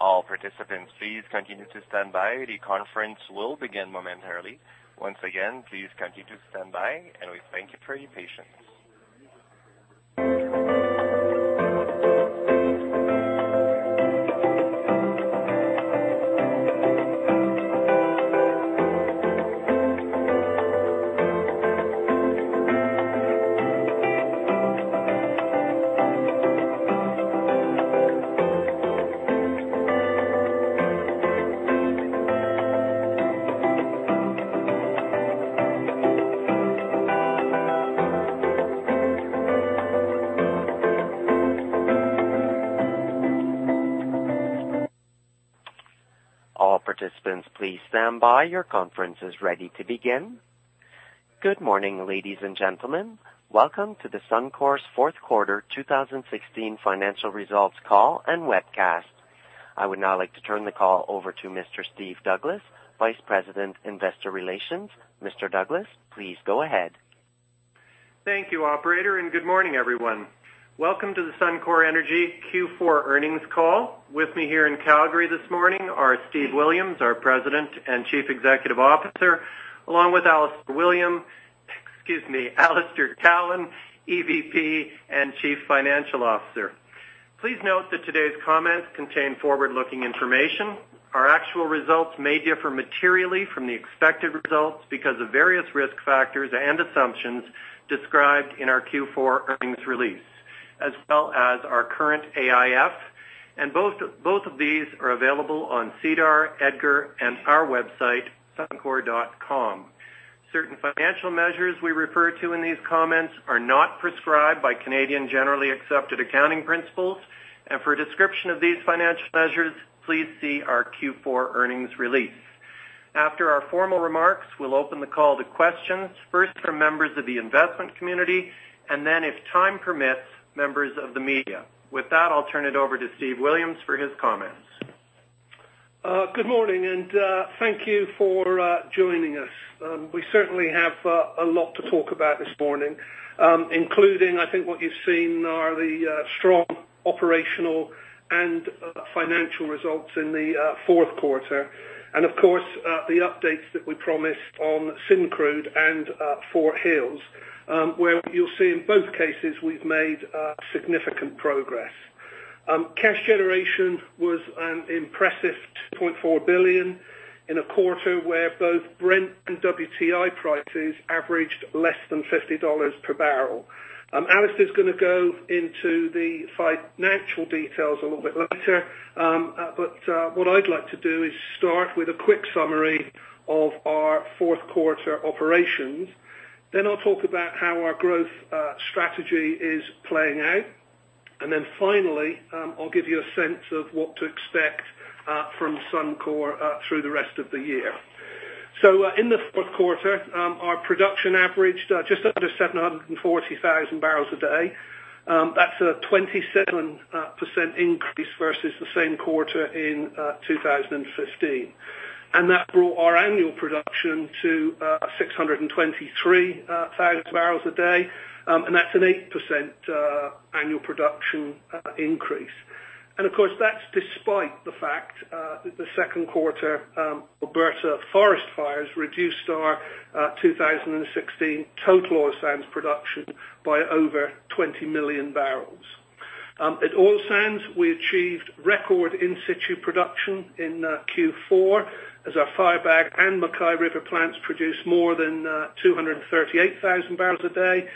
All participants, please continue to stand by. The conference will begin momentarily. Once again, please continue to stand by, and we thank you for your patience. All participants, please stand by. Your conference is ready to begin. Good morning, ladies and gentlemen. Welcome to Suncor’s fourth quarter 2016 financial results call and webcast. I would now like to turn the call over to Mr. Steve Douglas, Vice President, Investor Relations. Mr. Douglas, please go ahead. Thank you, operator, and good morning, everyone. Welcome to the Suncor Energy Q4 earnings call. With me here in Calgary this morning are Steve Williams, our President and Chief Executive Officer, along with Alister Cowan. Excuse me, Alister Cowan, EVP and Chief Financial Officer. Please note that today’s comments contain forward-looking information. Our actual results may differ materially from the expected results because of various risk factors and assumptions described in our Q4 earnings release, as well as our current AIF. Both of these are available on SEDAR, EDGAR, and our website, suncor.com. Certain financial measures we refer to in these comments are not prescribed by Canadian Generally Accepted Accounting Principles. For a description of these financial measures, please see our Q4 earnings release. After our formal remarks, we’ll open the call to questions, first from members of the investment community and then, if time permits, members of the media. With that, I’ll turn it over to Steve Williams for his comments. Good morning, and thank you for joining us. We certainly have a lot to talk about this morning, including, I think, what you’ve seen are the strong operational and financial results in the fourth quarter. Of course, the updates that we promised on Syncrude and Fort Hills, where you’ll see in both cases, we’ve made significant progress. Cash generation was an impressive 2.4 billion in a quarter where both Brent and WTI prices averaged less than $50 per barrel. Alister’s going to go into the financial details a little bit later. What I’d like to do is start with a quick summary of our fourth quarter operations. Then finally, I’ll give you a sense of what to expect from Suncor through the rest of the year. In the fourth quarter, our production averaged just under 740,000 barrels a day. That's a 27% increase versus the same quarter in 2015. That brought our annual production to 623,000 barrels a day, and that's an 8% annual production increase. Of course, that's despite the fact that the second quarter Alberta forest fires reduced our 2016 total oil sands production by over 20 million barrels. At Oil Sands, we achieved record in-situ production in Q4 as our Firebag and MacKay River plants produced more than 238,000 barrels a day,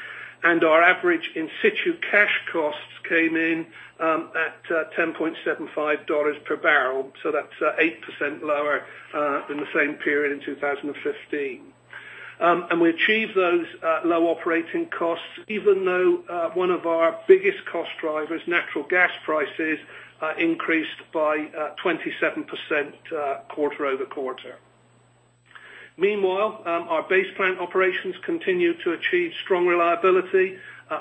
and our average in-situ cash costs came in at 10.75 dollars per barrel. That's 8% lower than the same period in 2015. We achieved those low operating costs even though one of our biggest cost drivers, natural gas prices, increased by 27% quarter-over-quarter. Meanwhile, our base plant operations continue to achieve strong reliability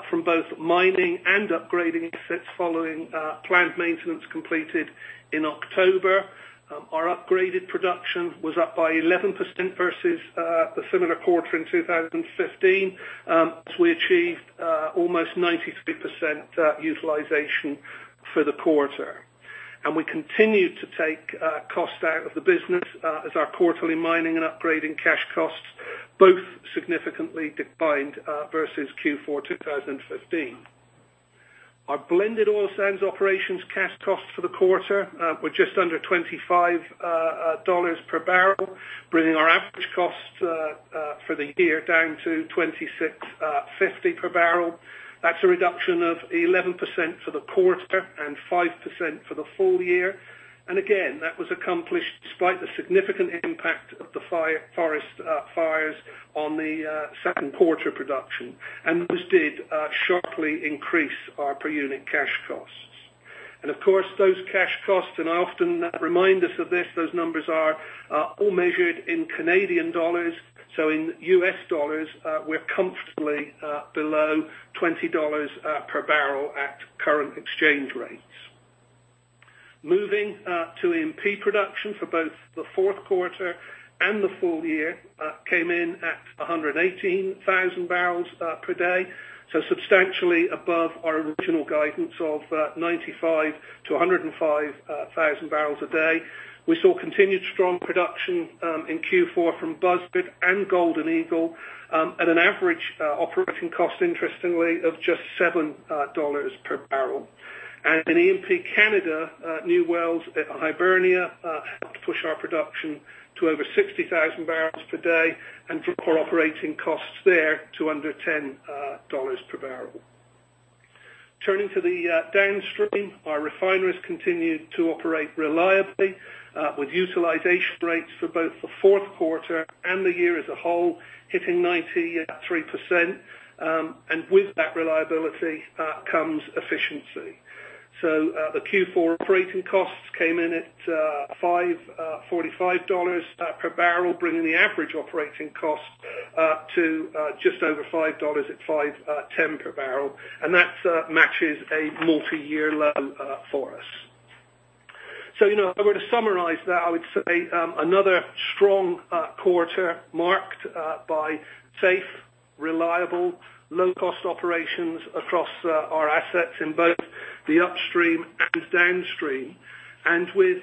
from both mining and upgrading assets following plant maintenance completed in October. Our upgraded production was up by 11% versus the similar quarter in 2015, as we achieved almost 93% utilization for the quarter. We continued to take cost out of the business as our quarterly mining and upgrading cash costs both significantly declined versus Q4 2015. Our blended oil sands operations cash costs for the quarter were just under 25 dollars per barrel, bringing our average cost for the year down to 26.50 per barrel. That's a reduction of 11% for the quarter and 5% for the full year. Again, that was accomplished despite the significant impact of the forest fires on the second quarter production, and those did sharply increase our per-unit cash costs. Of course, those cash costs, and I often remind us of this, those numbers are all measured in Canadian dollars. In U.S. dollars, we're comfortably below $20 per barrel at current exchange rates. Moving to E&P production for both the fourth quarter and the full year came in at 118,000 barrels per day. Substantially above our original guidance of 95,000 to 105,000 barrels a day. We saw continued strong production in Q4 from Buzzard and Golden Eagle at an average operating cost, interestingly, of just 7 dollars per barrel. In E&P Canada, new wells at Hibernia helped push our production to over 60,000 barrels per day and drove core operating costs there to under 10 dollars per barrel. Turning to the downstream, our refineries continued to operate reliably with utilization rates for both the fourth quarter and the year as a whole, hitting 93%. With that reliability, comes efficiency. The Q4 operating costs came in at 5.45 dollars per barrel, bringing the average operating cost to just over 5 dollars at 5.10 per barrel. That matches a multiyear low for us. If I were to summarize that, I would say another strong quarter marked by safe, reliable, low-cost operations across our assets in both the upstream and downstream. With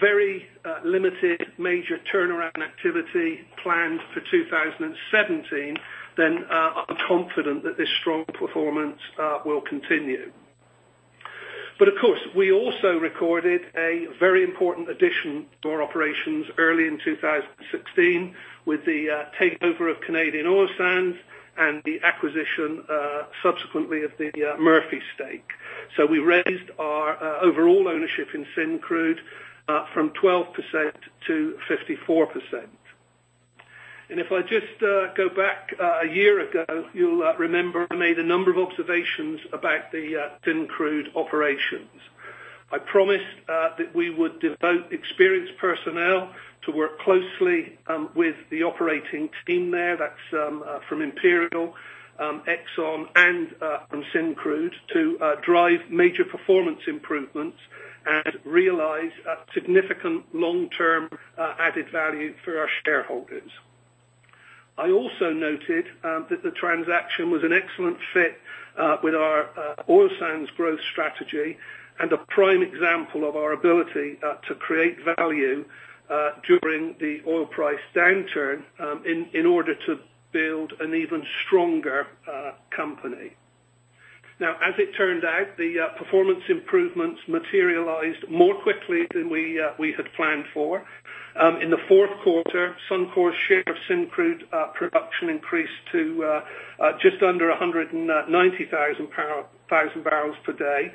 very limited major turnaround activity planned for 2017, I'm confident that this strong performance will continue. Of course, we also recorded a very important addition to our operations early in 2016 with the takeover of Canadian Oil Sands and the acquisition subsequently of the Murphy stake. We raised our overall ownership in Syncrude from 12% to 54%. If I just go back a year ago, you'll remember I made a number of observations about the Syncrude operations. I promised that we would devote experienced personnel to work closely with the operating team there, that's from Imperial Oil, ExxonMobil, and from Syncrude to drive major performance improvements and realize significant long-term added value for our shareholders. I also noted that the transaction was an excellent fit with our oil sands growth strategy and a prime example of our ability to create value during the oil price downturn in order to build an even stronger company. As it turned out, the performance improvements materialized more quickly than we had planned for. In the fourth quarter, Suncor's share of Syncrude production increased to just under 190,000 barrels per day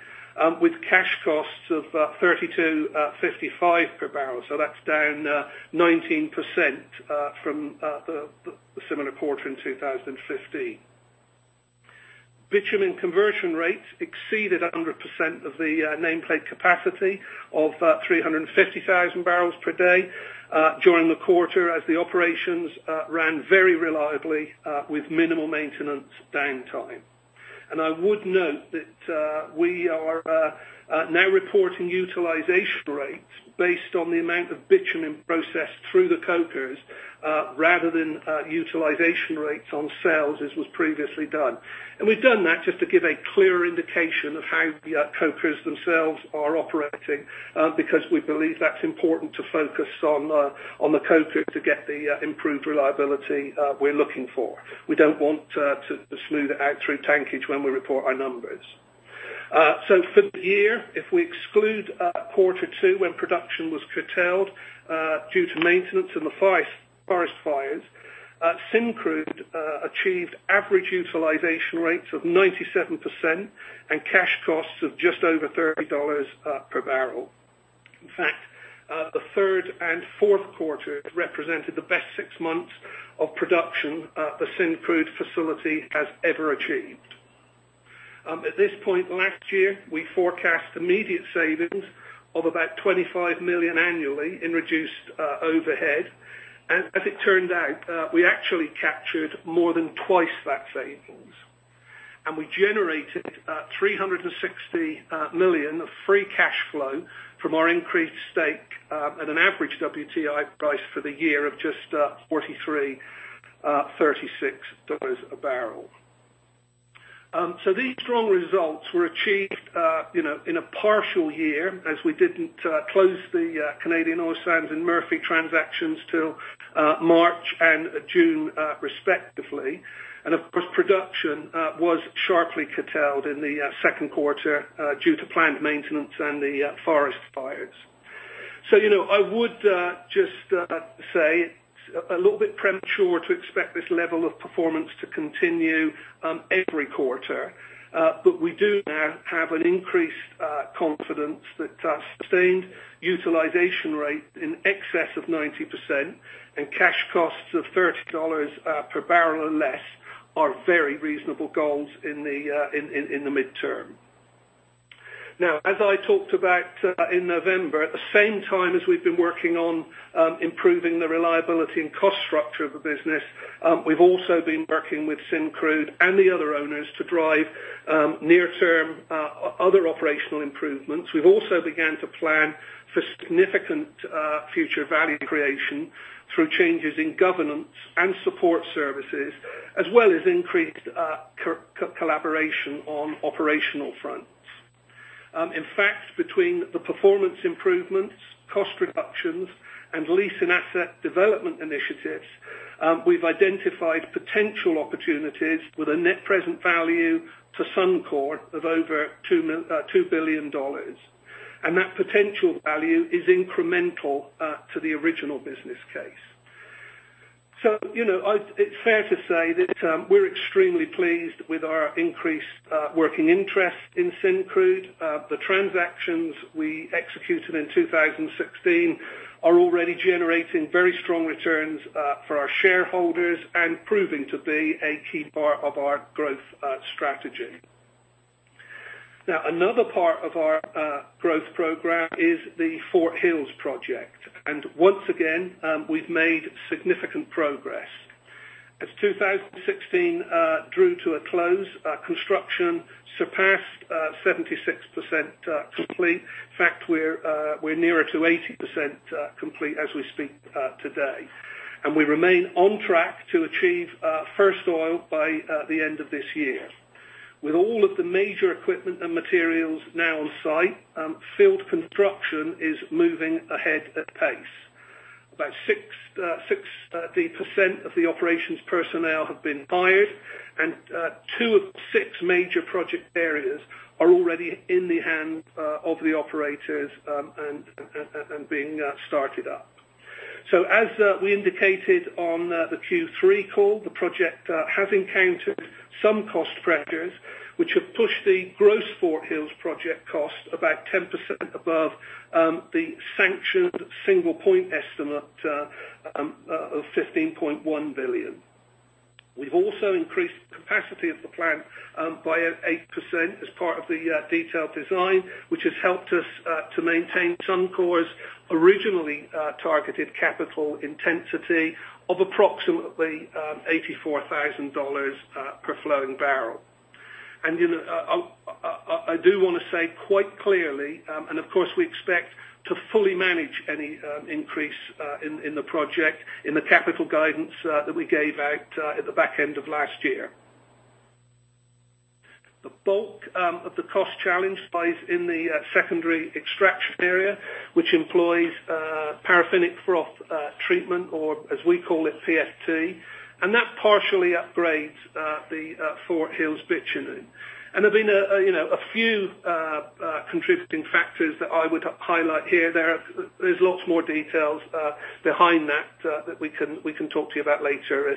with cash costs of 32.55 per barrel. That's down 19% from the similar quarter in 2015. Bitumen conversion rates exceeded 100% of the nameplate capacity of 350,000 barrels per day during the quarter as the operations ran very reliably with minimal maintenance downtime. I would note that we are now reporting utilization rates based on the amount of bitumen processed through the cokers rather than utilization rates on sales as was previously done. We've done that just to give a clearer indication of how the cokers themselves are operating because we believe that's important to focus on the coker to get the improved reliability we're looking for. We don't want to smooth out through tankage when we report our numbers. For the year, if we exclude quarter 2 when production was curtailed due to maintenance and the forest fires, Syncrude achieved average utilization rates of 97% and cash costs of just over 30 dollars per barrel. In fact, the third and fourth quarter represented the best six months of production the Syncrude facility has ever achieved. At this point last year, we forecast immediate savings of about 25 million annually in reduced overhead. As it turned out, we actually captured more than twice that savings. We generated 360 million of free cash flow from our increased stake at an average WTI price for the year of just $43.36 a barrel. These strong results were achieved in a partial year as we didn't close the Canadian Oil Sands and Murphy transactions till March and June respectively. Of course, production was sharply curtailed in the second quarter due to planned maintenance and the forest fires. I would just say it's a little bit premature to expect this level of performance to continue every quarter. We do now have an increased confidence that sustained utilization rates in excess of 90% and cash costs of 30 dollars per barrel or less are very reasonable goals in the midterm. As I talked about in November, at the same time as we've been working on improving the reliability and cost structure of the business, we've also been working with Syncrude and the other owners to drive near-term other operational improvements. We've also began to plan for significant future value creation through changes in governance and support services, as well as increased collaboration on operational fronts. In fact, between the performance improvements, cost reductions, and lease and asset development initiatives, we've identified potential opportunities with a net present value to Suncor of over 2 billion dollars. That potential value is incremental to the original business case. It's fair to say that we're extremely pleased with our increased working interest in Syncrude. The transactions we executed in 2016 are already generating very strong returns for our shareholders and proving to be a key part of our growth strategy. Another part of our growth program is the Fort Hills project. Once again, we've made significant progress. As 2016 drew to a close, construction surpassed 76% complete. In fact, we're nearer to 80% complete as we speak today. We remain on track to achieve first oil by the end of this year. With all of the major equipment and materials now on site, field construction is moving ahead at pace. About 60% of the operations personnel have been hired, and two of six major project areas are already in the hands of the operators and being started up. As we indicated on the Q3 call, the project has encountered some cost pressures, which have pushed the gross Fort Hills project cost about 10% above the sanctioned single point estimate of 15.1 billion. We've also increased the capacity of the plant by 8% as part of the detailed design, which has helped us to maintain Suncor's originally targeted capital intensity of approximately 84,000 dollars per flowing barrel. I do want to say quite clearly, and of course, we expect to fully manage any increase in the project in the capital guidance that we gave out at the back end of last year. The bulk of the cost challenge lies in the secondary extraction area, which employs paraffinic froth treatment or, as we call it, PFT, and that partially upgrades the Fort Hills bitumen. There have been a few contributing factors that I would highlight here. There's lots more details behind that we can talk to you about later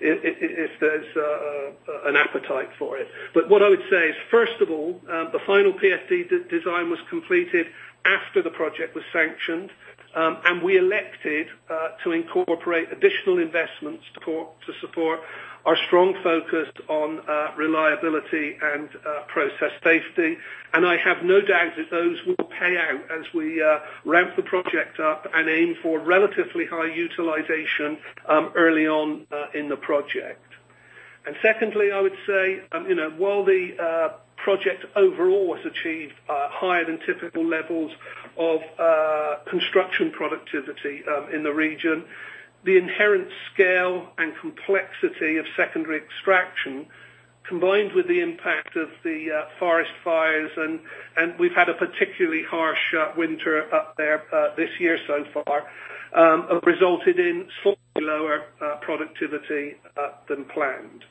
if there's an appetite for it. What I would say is, first of all, the final PFT design was completed after the project was sanctioned. We elected to incorporate additional investments to support our strong focus on reliability and process safety. I have no doubt that those will pay out as we ramp the project up and aim for relatively high utilization early on in the project. Secondly, I would say, while the project overall has achieved higher than typical levels of construction productivity in the region, the inherent scale and complexity of secondary extraction, combined with the impact of the forest fires, and we've had a particularly harsh winter up there this year so far, have resulted in slightly lower productivity than planned.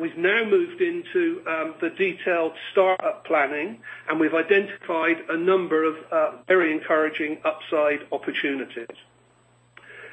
We've now moved into the detailed startup planning, we've identified a number of very encouraging upside opportunities.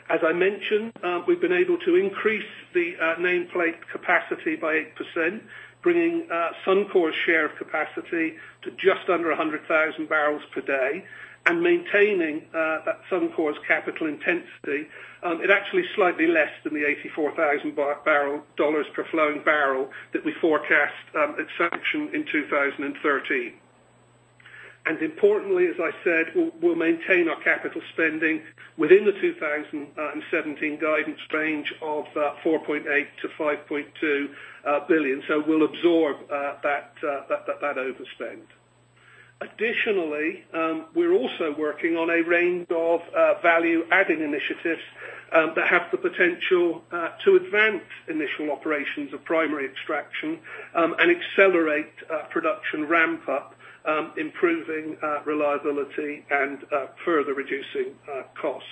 As I mentioned, we've been able to increase the nameplate capacity by 8%, bringing Suncor's share of capacity to just under 100,000 barrels per day and maintaining that Suncor's capital intensity at actually slightly less than the 84,000 dollars per flowing barrel that we forecast at sanction in 2013. Importantly, as I said, we'll maintain our capital spending within the 2017 guidance range of 4.8 billion-5.2 billion. We'll absorb that overspend. Additionally, we're also working on a range of value-adding initiatives that have the potential to advance initial operations of primary extraction and accelerate production ramp-up, improving reliability and further reducing costs.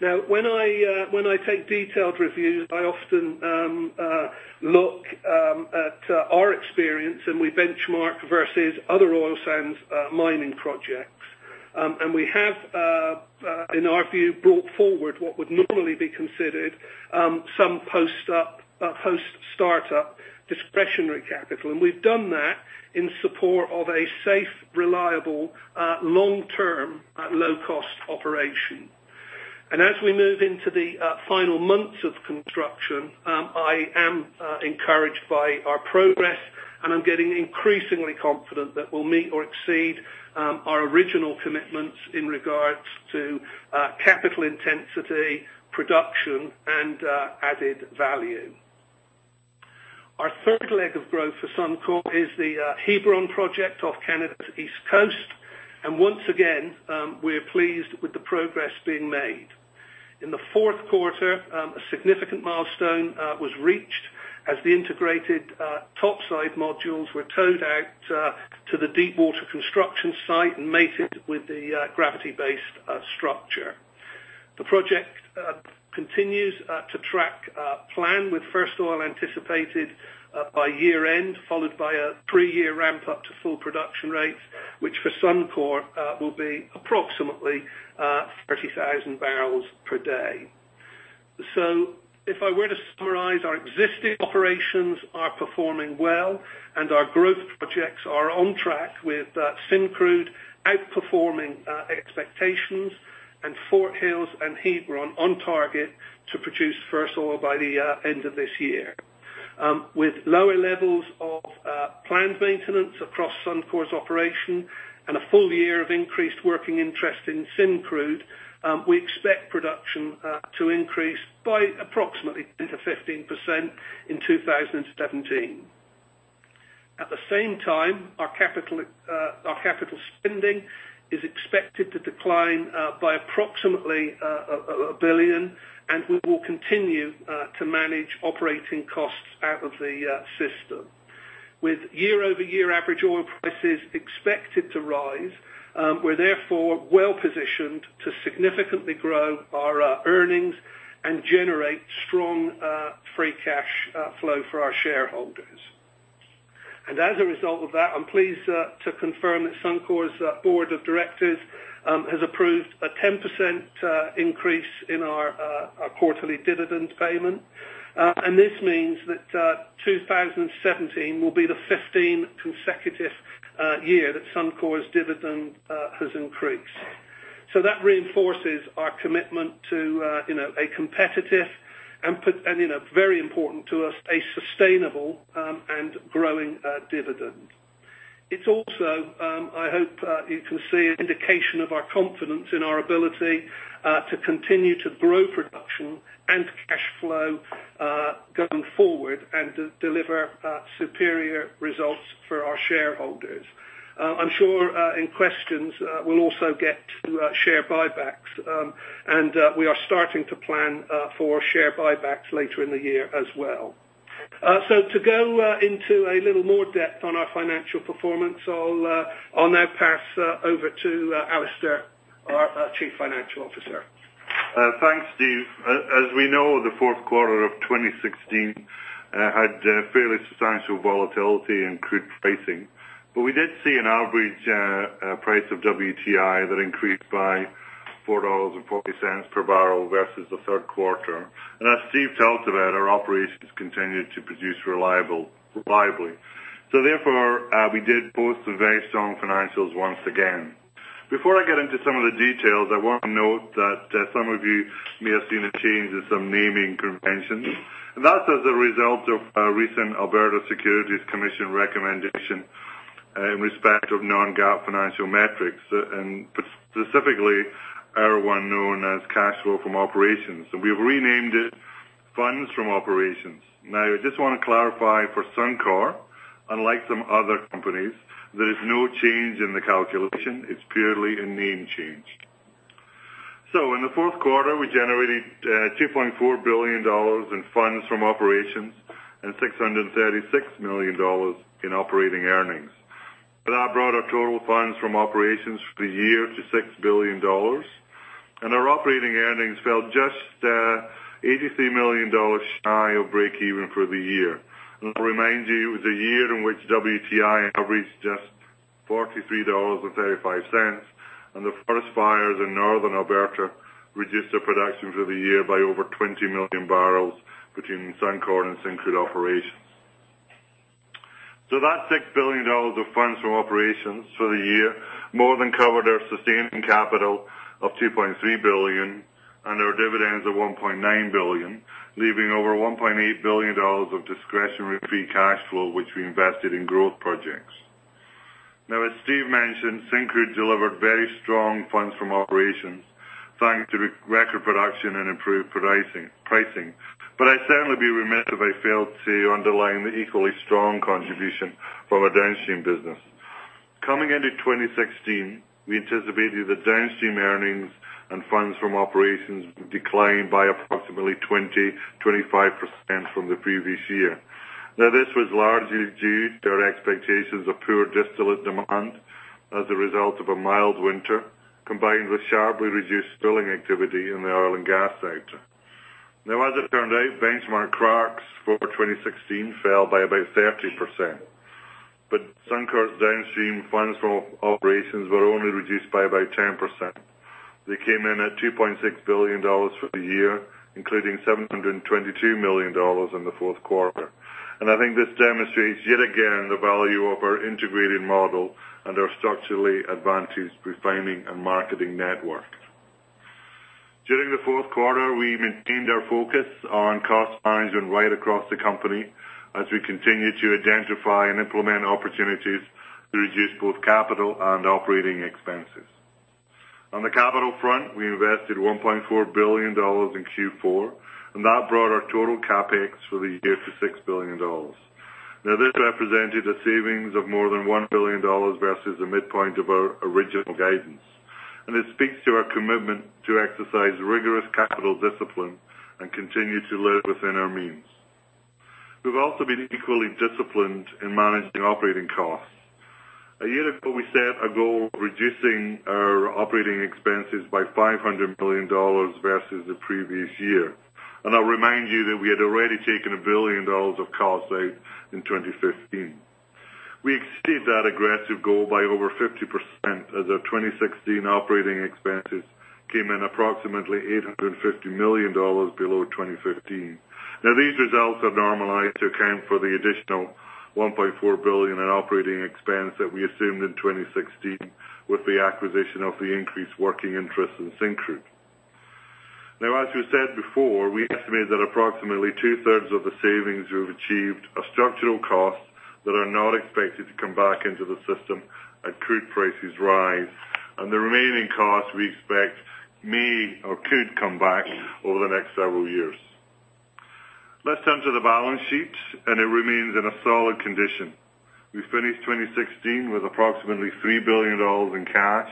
When I take detailed reviews, I often look at our experience, we benchmark versus other oil sands mining projects. We have, in our view, brought forward what would normally be considered some post-startup discretionary capital, and we've done that in support of a safe, reliable, long-term, low-cost operation. As we move into the final months of construction, I am encouraged by our progress, and I'm getting increasingly confident that we'll meet or exceed our original commitments in regards to capital intensity, production, and added value. Our third leg of growth for Suncor is the Hebron project off Canada's east coast. Once again, we're pleased with the progress being made. In the fourth quarter, a significant milestone was reached as the integrated topside modules were towed out to the deep water construction site and mated with the gravity-based structure. The project continues to track plan with first oil anticipated by year-end, followed by a three-year ramp up to full production rates, which for Suncor, will be approximately 30,000 barrels per day. If I were to summarize, our existing operations are performing well, and our growth projects are on track with Syncrude outperforming expectations and Fort Hills and Hebron on target to produce first oil by the end of this year. With lower levels of planned maintenance across Suncor's operation and a full year of increased working interest in Syncrude, we expect production to increase by approximately 10%-15% in 2017. At the same time, our capital spending is expected to decline by approximately 1 billion, and we will continue to manage operating costs out of the system. With year-over-year average oil prices expected to rise, we're therefore well-positioned to significantly grow our earnings and generate strong free cash flow for our shareholders. As a result of that, I'm pleased to confirm that Suncor's board of directors has approved a 10% increase in our quarterly dividend payment. This means that 2017 will be the 15th consecutive year that Suncor's dividend has increased. That reinforces our commitment to a competitive and, very important to us, a sustainable and growing dividend. It's also, I hope you can see, an indication of our confidence in our ability to continue to grow production and cash flow going forward and to deliver superior results for our shareholders. I'm sure in questions, we'll also get to share buybacks. We are starting to plan for share buybacks later in the year as well. To go into a little more depth on our financial performance, I'll now pass over to Alister, our Chief Financial Officer. Thanks, Steve. As we know, the fourth quarter of 2016 had fairly substantial volatility in crude pricing. We did see an average price of WTI that increased by $4.40 per barrel versus the third quarter. As Steve talked about, our operations continued to produce reliably. Therefore, we did post some very strong financials once again. Before I get into some of the details, I want to note that some of you may have seen a change in some naming conventions, and that's as a result of a recent Alberta Securities Commission recommendation in respect of non-GAAP financial metrics, and specifically, our one known as cash flow from operations. We've renamed it funds from operations. I just want to clarify for Suncor, unlike some other companies, there is no change in the calculation. It's purely a name change. In the fourth quarter, we generated 2.4 billion dollars in funds from operations and 636 million dollars in operating earnings. That brought our total funds from operations for the year to 6 billion dollars. Our operating earnings fell just 83 million dollars shy of breakeven for the year. I'll remind you, the year in which WTI averaged just $43.35 and the forest fires in Northern Alberta reduced the production for the year by over 20 million barrels between Suncor and Syncrude operations. That 6 billion dollars of funds from operations for the year more than covered our sustaining capital of 2.3 billion and our dividends of 1.9 billion, leaving over 1.8 billion dollars of discretionary free cash flow, which we invested in growth projects. As Steve mentioned, Syncrude delivered very strong funds from operations, thanks to record production and improved pricing. I'd certainly be remiss if I failed to underline the equally strong contribution from our downstream business. Coming into 2016, we anticipated that downstream earnings and funds from operations would decline by approximately 20%-25% from the previous year. This was largely due to our expectations of poor distillate demand as a result of a mild winter, combined with sharply reduced drilling activity in the oil and gas sector. As it turned out, benchmark cracks for 2016 fell by about 30%. Suncor's downstream funds from operations were only reduced by about 10%. They came in at 2.6 billion dollars for the year, including 722 million dollars in the fourth quarter. I think this demonstrates yet again the value of our integrated model and our structurally advantaged refining and marketing network. During the fourth quarter, we maintained our focus on cost management right across the company as we continue to identify and implement opportunities to reduce both capital and operating expenses. On the capital front, we invested 1.4 billion dollars in Q4, and that brought our total CapEx for the year to 6 billion dollars. This represented a savings of more than 1 billion dollars versus the midpoint of our original guidance, and it speaks to our commitment to exercise rigorous capital discipline and continue to live within our means. We've also been equally disciplined in managing operating costs. A year ago, we set a goal of reducing our operating expenses by 500 million dollars versus the previous year, and I'll remind you that we had already taken 1 billion dollars of cost saves in 2015. We exceeded that aggressive goal by over 50% as our 2016 operating expenses came in approximately 850 million dollars below 2015. These results are normalized to account for the additional 1.4 billion in operating expense that we assumed in 2016 with the acquisition of the increased working interest in Syncrude. As we've said before, we estimate that approximately two-thirds of the savings we've achieved are structural costs that are not expected to come back into the system as crude prices rise, and the remaining costs we expect may or could come back over the next several years. Let's turn to the balance sheet. It remains in a solid condition. We finished 2016 with approximately 3 billion dollars in cash,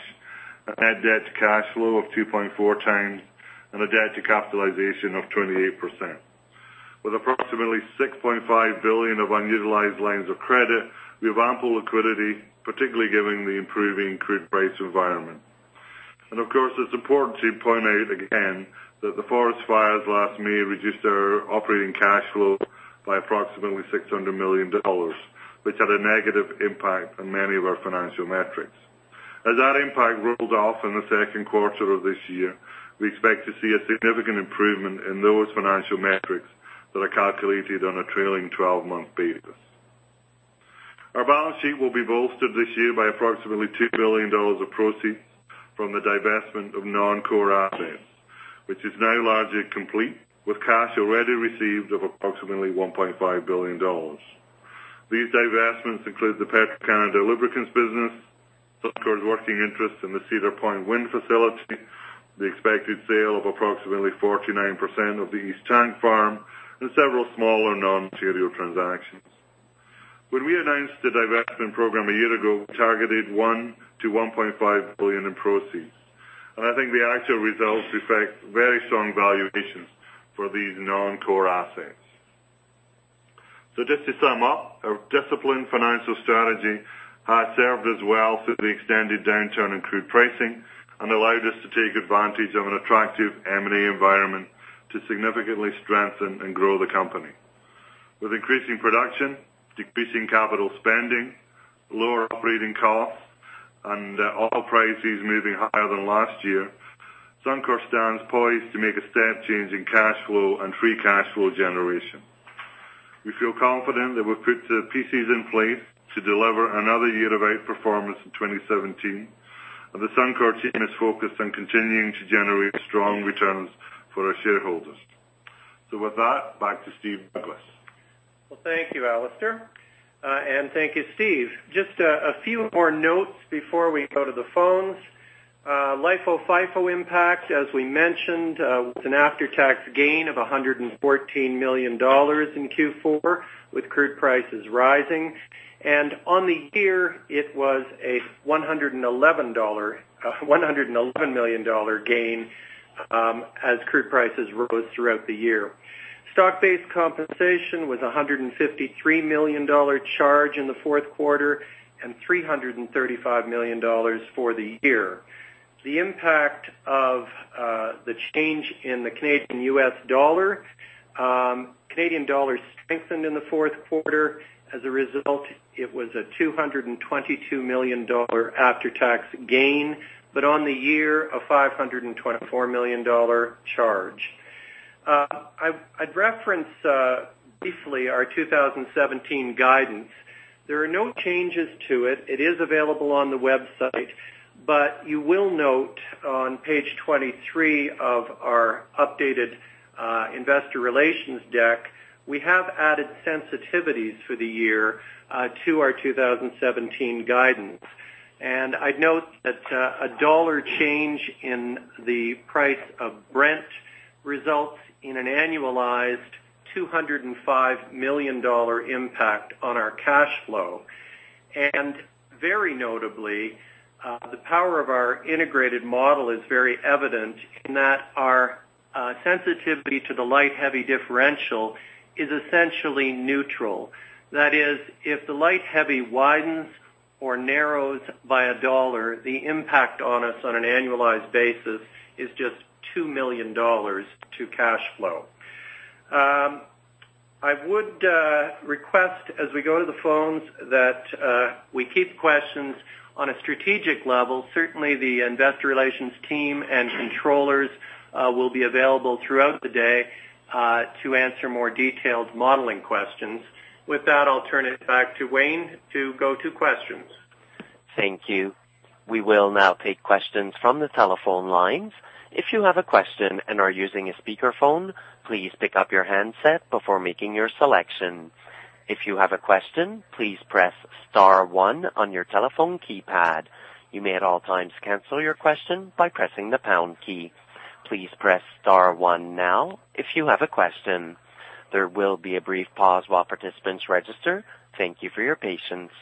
a net debt to cash flow of 2.4 times, and a debt to capitalization of 28%. With approximately 6.5 billion of unutilized lines of credit, we have ample liquidity, particularly given the improving crude price environment. Of course, it's important to point out again that the forest fires last May reduced our operating cash flow by approximately 600 million dollars, which had a negative impact on many of our financial metrics. As that impact rolls off in the second quarter of this year, we expect to see a significant improvement in those financial metrics that are calculated on a trailing 12-month basis. Our balance sheet will be bolstered this year by approximately 2 billion dollars of proceeds from the divestment of non-core assets, which is now largely complete with cash already received of approximately 1.5 billion dollars. These divestments include the Petro-Canada lubricants business, Suncor's working interest in the Cedar Point wind facility, the expected sale of approximately 49% of the East Tank Farm, and several smaller non-material transactions. When we announced the divestment program a year ago, we targeted 1 billion-1.5 billion in proceeds. I think the actual results reflect very strong valuations for these non-core assets. Just to sum up, our disciplined financial strategy has served us well through the extended downturn in crude pricing and allowed us to take advantage of an attractive M&A environment to significantly strengthen and grow the company. With increasing production, decreasing capital spending, lower operating costs, and oil prices moving higher than last year, Suncor stands poised to make a step change in cash flow and free cash flow generation. We feel confident that we've put the pieces in place to deliver another year of outperformance in 2017, and the Suncor team is focused on continuing to generate strong returns for our shareholders. With that, back to Steve Douglas. Well, thank you, Alister. Thank you, Steve. Just a few more notes before we go to the phones. LIFO, FIFO impact, as we mentioned, was an after-tax gain of 114 million dollars in Q4 with crude prices rising. On the year, it was a 111 million dollar gain as crude prices rose throughout the year. Stock-based compensation was 153 million dollar charge in the fourth quarter and 335 million dollars for the year. The impact of the change in the Canadian/U.S. dollar. Canadian dollar strengthened in the fourth quarter. As a result, it was a 222 million dollar after-tax gain, but on the year, a 524 million dollar charge. I'd reference briefly our 2017 guidance. There are no changes to it. It is available on the website, but you will note on page 23 of our updated investor relations deck, we have added sensitivities for the year to our 2017 guidance. I'd note that a CAD 1 change in the price of Brent results in an annualized 205 million dollar impact on our cash flow. Very notably, the power of our integrated model is very evident in that our sensitivity to the light-heavy differential is essentially neutral. That is, if the light-heavy widens or narrows by a CAD 1, the impact on us on an annualized basis is just 2 million dollars to cash flow. I would request as we go to the phones that we keep questions on a strategic level. Certainly, the investor relations team and controllers will be available throughout the day to answer more detailed modeling questions. With that, I'll turn it back to Wayne to go to questions. Thank you. We will now take questions from the telephone lines. If you have a question and are using a speakerphone, please pick up your handset before making your selection. If you have a question, please press star one on your telephone keypad. You may at all times cancel your question by pressing the pound key. Please press star one now if you have a question. There will be a brief pause while participants register. Thank you for your patience.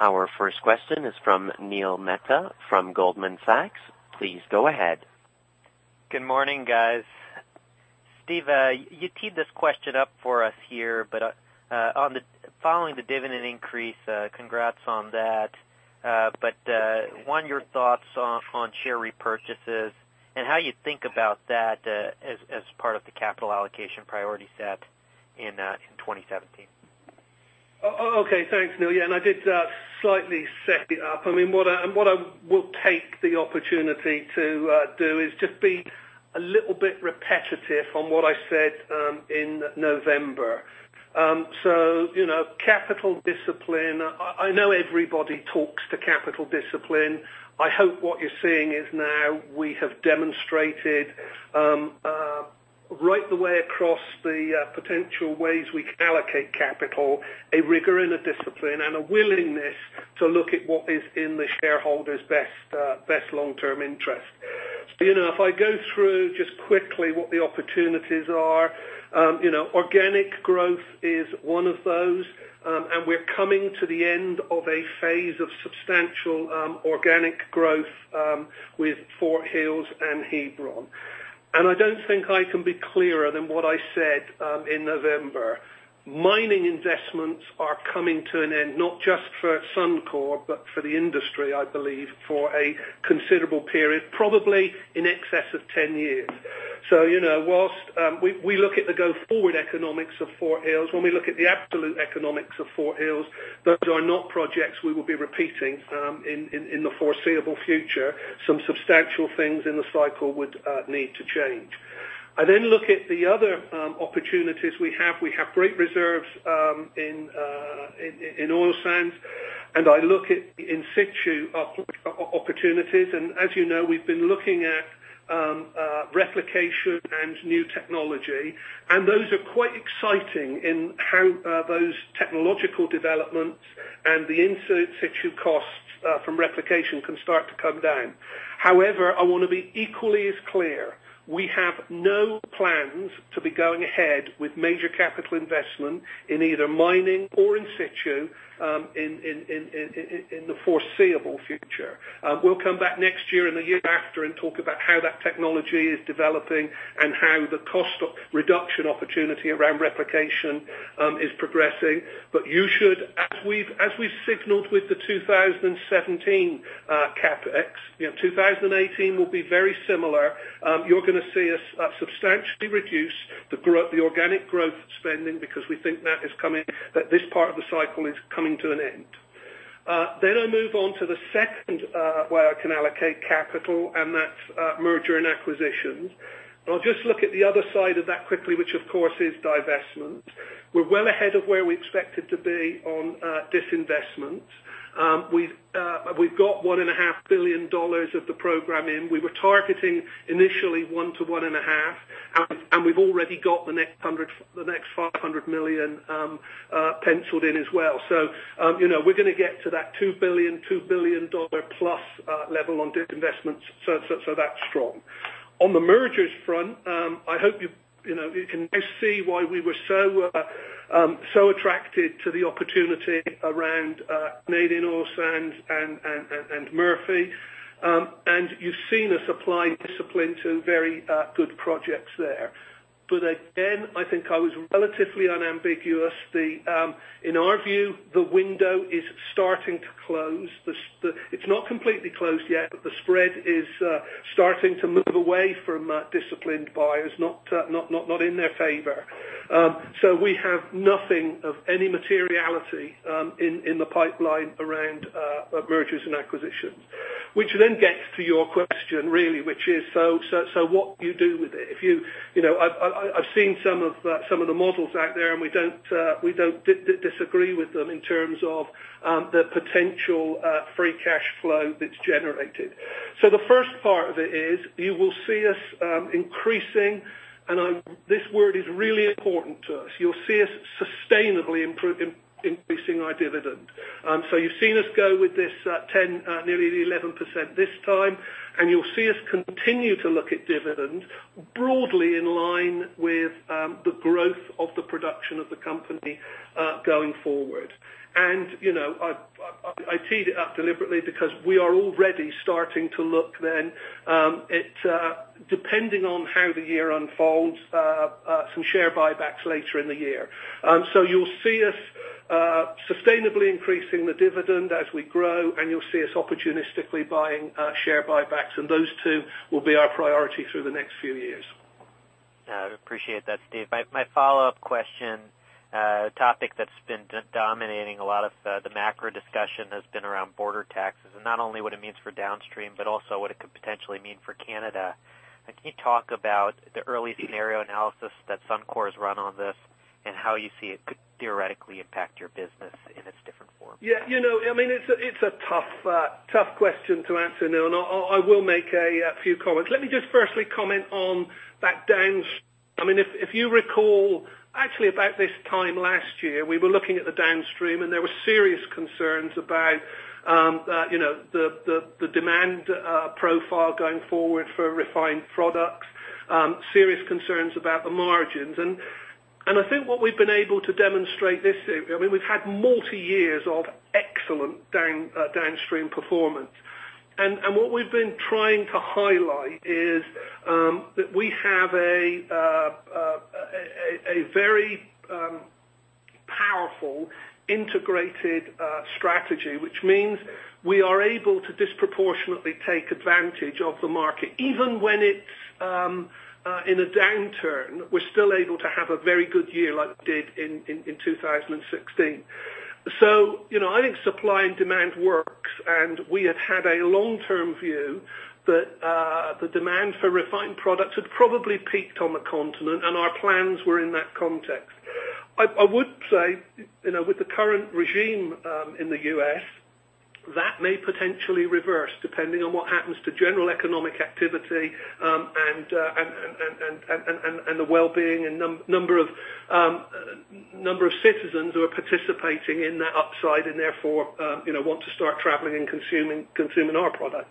Our first question is from Neil Mehta from Goldman Sachs. Please go ahead. Good morning, guys. Steve, you teed this question up for us here. Following the dividend increase, congrats on that. One, your thoughts on share repurchases and how you think about that as part of the capital allocation priority set in 2017. Okay. Thanks, Neil. Yeah, I did slightly set it up. What I will take the opportunity to do is just be a little bit repetitive on what I said in November. Capital discipline, I know everybody talks to capital discipline. I hope what you're seeing is now we have demonstrated right the way across the potential ways we can allocate capital, a rigor and a discipline, and a willingness to look at what is in the shareholders' best long-term interest. If I go through just quickly what the opportunities are. Organic growth is one of those, and we're coming to the end of a phase of substantial organic growth with Fort Hills and Hebron. I don't think I can be clearer than what I said in November. Mining investments are coming to an end, not just for Suncor, but for the industry, I believe, for a considerable period, probably in excess of 10 years. Whilst we look at the go-forward economics of Fort Hills, when we look at the absolute economics of Fort Hills, those are not projects we will be repeating in the foreseeable future. Some substantial things in the cycle would need to change. I look at the other opportunities we have. We have great reserves in oil sands, and I look at the in-situ opportunities. As you know, we've been looking at replication and new technology, and those are quite exciting in how those technological developments and the in-situ costs from replication can start to come down. However, I want to be equally as clear. We have no plans to be going ahead with major capital investment in either mining or in-situ in the foreseeable future. We'll come back next year and the year after and talk about how that technology is developing and how the cost reduction opportunity around replication is progressing. You should, as we've signaled with the 2017 CapEx, 2018 will be very similar. You're going to see us substantially reduce the organic growth spending because we think that this part of the cycle is coming to an end. I move on to the second way I can allocate capital, and that's merger and acquisitions. I'll just look at the other side of that quickly, which of course is divestment. We're well ahead of where we expected to be on disinvestment. We've got 1.5 billion dollars of the program in. We were targeting initially one billion to one and a half billion, and we've already got the next 500 million penciled in as well. We're going to get to that 2 billion plus level on disinvestment, that's strong. On the mergers front, I hope you can now see why we were so attracted to the opportunity around Canadian Oil Sands and Murphy. You've seen us apply discipline to very good projects there. Again, I think I was relatively unambiguous. In our view, the window is starting to close. It's not completely closed yet, but the spread is starting to move away from disciplined buyers, not in their favor. We have nothing of any materiality in the pipeline around mergers and acquisitions. Which then gets to your question, really, which is, what do you do with it? I've seen some of the models out there. We don't disagree with them in terms of the potential free cash flow that's generated. The first part of it is you will see us increasing, and this word is really important to us. You'll see us sustainably increasing our dividend. You've seen us go with this 10, nearly the 11% this time, and you'll see us continue to look at dividend broadly in line with the growth of the production of the company going forward. I teed it up deliberately because we are already starting to look then at, depending on how the year unfolds, some share buybacks later in the year. You'll see us sustainably increasing the dividend as we grow, and you'll see us opportunistically buying share buybacks. Those two will be our priority through the next few years. I appreciate that, Steve. My follow-up question, a topic that's been dominating a lot of the macro discussion has been around border taxes. Not only what it means for downstream, but also what it could potentially mean for Canada. Can you talk about the early scenario analysis that Suncor has run on this, and how you see it could theoretically impact your business in its different forms? Yeah. It's a tough question to answer, Neil. I will make a few comments. Let me just firstly comment on that downstream. If you recall, actually about this time last year, we were looking at the downstream. There were serious concerns about the demand profile going forward for refined products, serious concerns about the margins. I think what we've been able to demonstrate this year, we've had multi-years of excellent downstream performance. What we've been trying to highlight is that we have a very powerful, integrated strategy, which means we are able to disproportionately take advantage of the market. Even when it's in a downturn, we're still able to have a very good year like we did in 2016. I think supply and demand works. We have had a long-term view that the demand for refined products had probably peaked on the continent. Our plans were in that context. I would say, with the current regime in the U.S., that may potentially reverse depending on what happens to general economic activity, and the wellbeing and number of citizens who are participating in that upside. Therefore, want to start traveling and consuming our products.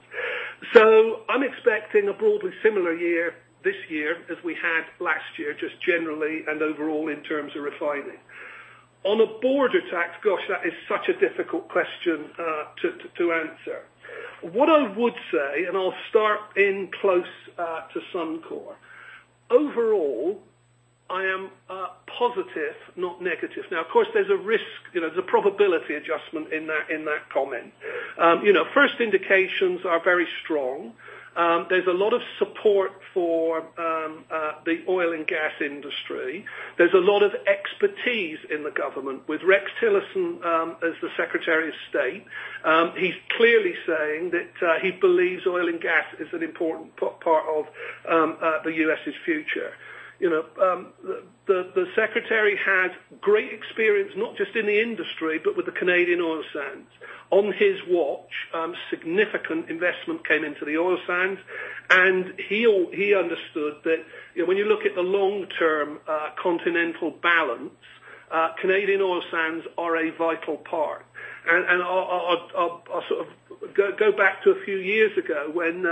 I'm expecting a broadly similar year this year as we had last year, just generally and overall in terms of refining. On a border tax, gosh, that is such a difficult question to answer. What I would say, I'll start in close to Suncor. Overall, I am positive, not negative. Of course, there's a risk, there's a probability adjustment in that comment. First indications are very strong. There's a lot of support for the oil and gas industry. There's a lot of expertise in the government with Rex Tillerson as the Secretary of State. He's clearly saying that he believes oil and gas is an important part of the U.S.'s future. The Secretary had great experience, not just in the industry, but with the Canadian oil sands. On his watch, significant investment came into the oil sands, he understood that when you look at the long-term continental balance, Canadian oil sands are a vital part. I'll go back to a few years ago when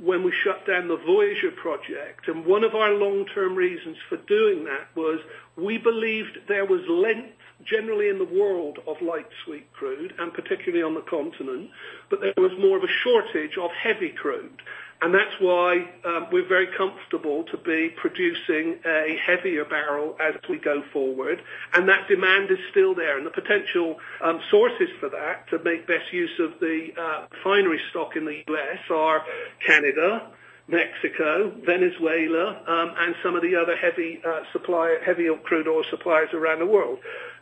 we shut down the Voyageur project, one of our long-term reasons for doing that was we believed there was length generally in the world of light sweet crude, particularly on the continent, there was more of a shortage of heavy crude. That's why we're very comfortable to be producing a heavier barrel as we go forward. That demand is still there. The potential sources for that to make best use of the refinery stock in the U.S. are Canada, Mexico, Venezuela, and some of the other heavier crude oil suppliers around the world.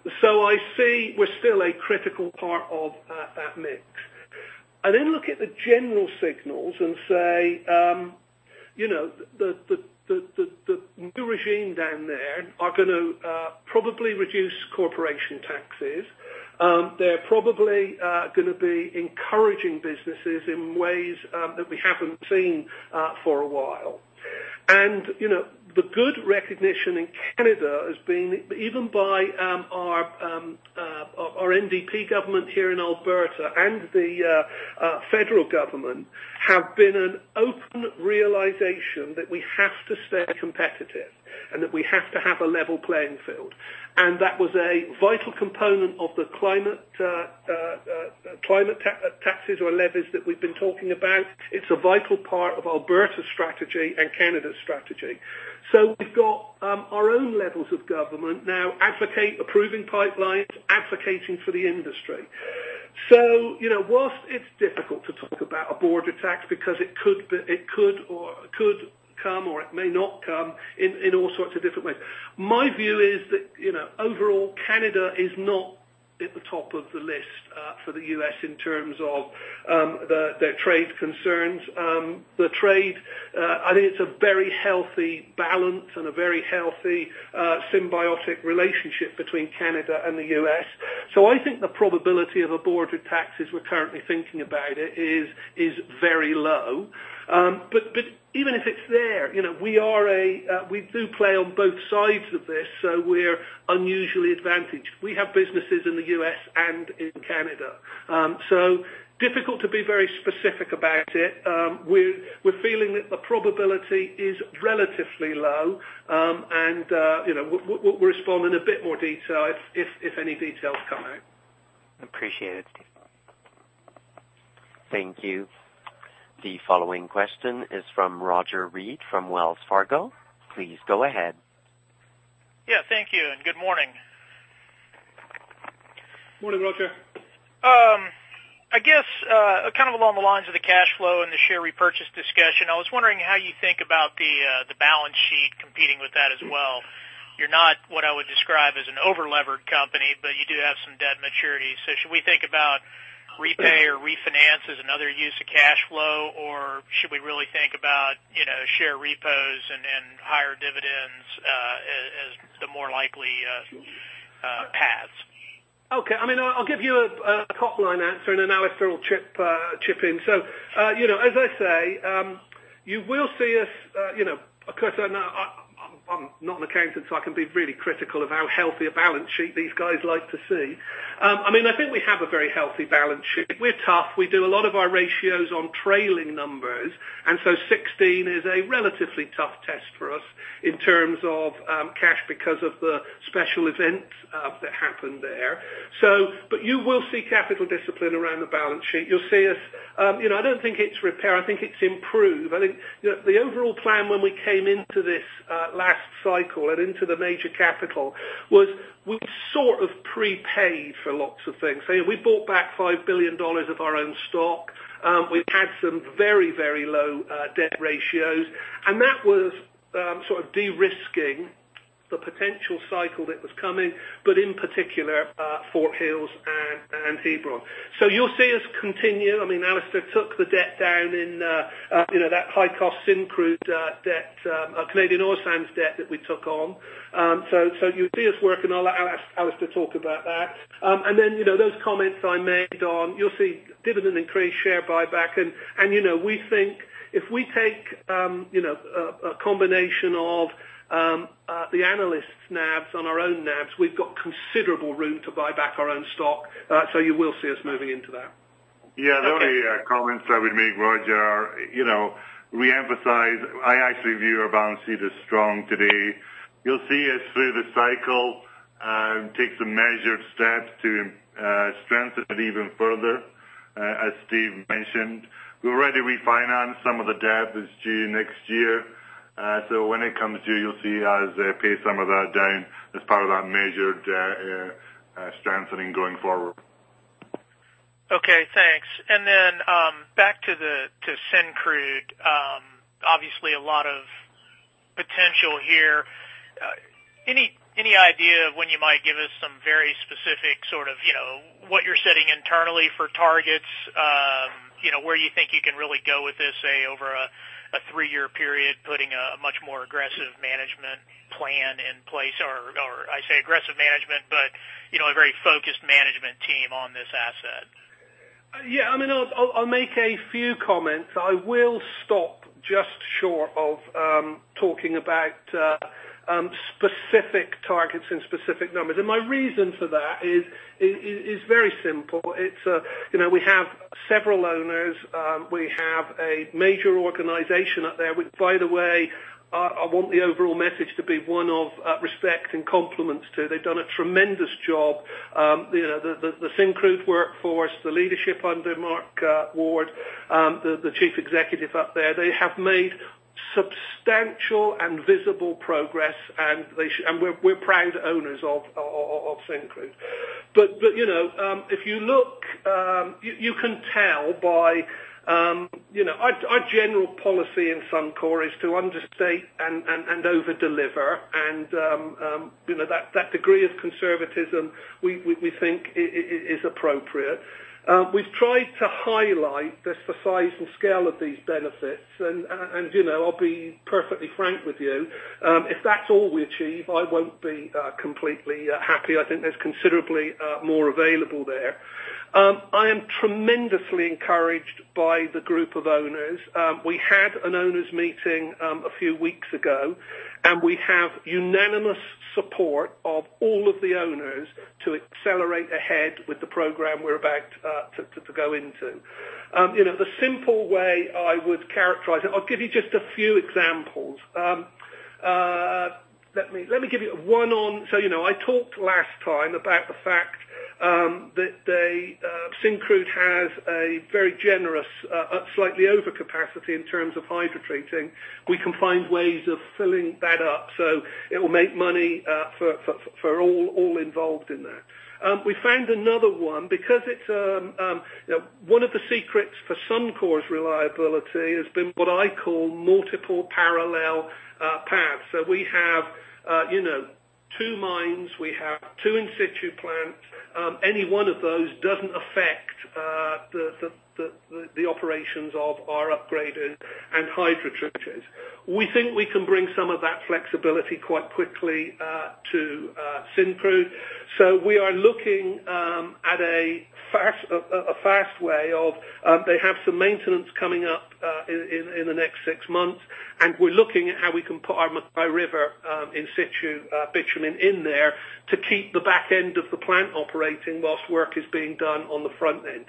I see we're still a critical part of that mix. I look at the general signals and say, the new regime down there are going to probably reduce corporation taxes. They're probably going to be encouraging businesses in ways that we haven't seen for a while. The good recognition in Canada has been, even by our NDP government here in Alberta and the federal government, have been an open realization that we have to stay competitive, that we have to have a level playing field. That was a vital component of the climate taxes or levies that we've been talking about. It's a vital part of Alberta's strategy and Canada's strategy. We've got our own levels of government now advocate approving pipelines, advocating for the industry. Whilst it's difficult to talk about a border tax because it could come or it may not come in all sorts of different ways. My view is that, overall, Canada is not at the top of the list for the U.S. in terms of their trade concerns. The trade, I think it's a very healthy balance and a very healthy, symbiotic relationship between Canada and the U.S. I think the probability of a border tax as we're currently thinking about it is very low. Even if it's there, we do play on both sides of this, we're unusually advantaged. We have businesses in the U.S. and in Canada. Difficult to be very specific about it. We're feeling that the probability is relatively low. We'll respond in a bit more detail if any details come out. Appreciate it, Steve. Thank you. The following question is from Roger Read from Wells Fargo. Please go ahead. Yeah, thank you, and good morning. Morning, Roger. I guess, along the lines of the cash flow and the share repurchase discussion, I was wondering how you think about the balance sheet with that as well. You're not what I would describe as an over-leveraged company, but you do have some debt maturity. Should we think about repay or refinance as another use of cash flow, or should we really think about share repos and higher dividends as the more likely paths? Okay. I'll give you a top-line answer, and then Alister will chip in. As I say, Of course, I'm not an accountant, so I can be really critical of how healthy a balance sheet these guys like to see. I think we have a very healthy balance sheet. We're tough. We do a lot of our ratios on trailing numbers, and 2016 is a relatively tough test for us in terms of cash because of the special events that happened there. You will see capital discipline around the balance sheet. I don't think it's repair. I think it's improve. I think the overall plan when we came into this last cycle and into the major capital, was we sort of prepaid for lots of things. We bought back 5 billion dollars of our own stock. We've had some very low debt ratios. That was sort of de-risking the potential cycle that was coming, but in particular, Fort Hills and Hebron. You'll see us continue. Alister took the debt down in that high-cost Syncrude debt, Canadian Oil Sands debt that we took on. You'll see us work, and I'll ask Alister to talk about that. Then, those comments I made on, you'll see dividend increase, share buyback, and we think if we take a combination of the analysts' NAVs and our own NAVs, we've got considerable room to buy back our own stock. You will see us moving into that. Yeah. The only comments I would make, Roger, are reemphasize, I actually view our balance sheet as strong today. You'll see us through the cycle take some measured steps to strengthen it even further. As Steve mentioned, we already refinanced some of the debt that's due next year. When it comes due, you'll see us pay some of that down as part of that measured strengthening going forward. Okay, thanks. Back to Syncrude. Obviously, a lot of potential here. Any idea of when you might give us some very specific, sort of what you're setting internally for targets? Where you think you can really go with this, say, over a three-year period, putting a much more aggressive management plan in place, or I say aggressive management, but a very focused management team on this asset? Yeah. I'll make a few comments. I will stop just short of talking about specific targets and specific numbers. My reason for that is very simple. We have several owners. We have a major organization up there. Which, by the way, I want the overall message to be one of respect and compliments to. They've done a tremendous job. The Syncrude workforce, the leadership under Mark Ward, the Chief Executive up there. They have made substantial and visible progress, and we're proud owners of Syncrude. If you look, you can tell by our general policy in Suncor is to understate and overdeliver, and that degree of conservatism we think is appropriate. We've tried to highlight the size and scale of these benefits, and I'll be perfectly frank with you. If that's all we achieve, I won't be completely happy. I think there's considerably more available there. I am tremendously encouraged by the group of owners. We had an owners meeting a few weeks ago. We have unanimous support of all of the owners to accelerate ahead with the program we're about to go into. The simple way I would characterize it, I'll give you just a few examples. Let me give you one on. I talked last time about the fact that Syncrude has a very generous, slightly over capacity in terms of hydrotreating. We can find ways of filling that up so it will make money for all involved in that. We found another one because one of the secrets for Suncor's reliability has been what I call multiple parallel paths. We have two mines, we have two in-situ plants. Any one of those doesn't affect the operations of our upgraded and hydrotreaters. We think we can bring some of that flexibility quite quickly to Syncrude. We are looking at a fast way of, they have some maintenance coming up in the next six months. We're looking at how we can put our MacKay River in-situ bitumen in there to keep the back end of the plant operating whilst work is being done on the front end.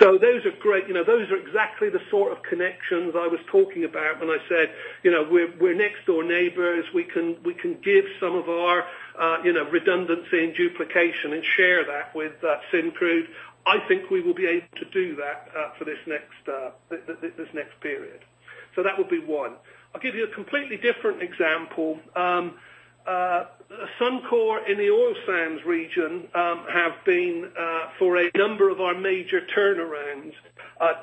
Those are exactly the sort of connections I was talking about when I said, we're next door neighbors. We can give some of our redundancy and duplication and share that with Syncrude. I think we will be able to do that for this next period. That would be one. I'll give you a completely different example. Suncor in the oil sands region have been, for a number of our major turnarounds,